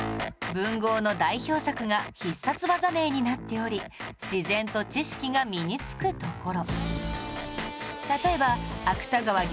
文豪の代表作が必殺技名になっており自然と知識が身につくところ